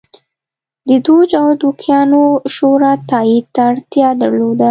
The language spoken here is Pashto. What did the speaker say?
د دوج او دوکیانو شورا تایید ته اړتیا درلوده